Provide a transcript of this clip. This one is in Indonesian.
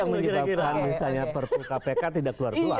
misalnya perpu kpk tidak keluar keluar